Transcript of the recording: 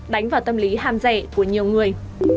đánh vào tâm lý ham rẻ của nhiều người